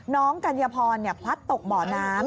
น้องกัญญาพรเนี่ยพัดตกหม่อน้ำ